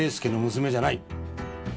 娘じゃない？